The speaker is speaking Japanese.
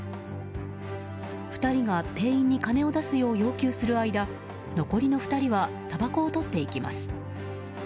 ２人が、店員に金を出すよう要求する間残りの２人はたばこをとっていきます。